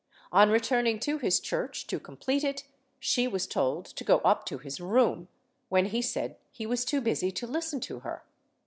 On returning to his church to complete it, she was told to go up to his room, when he said he was too busy to listen to her.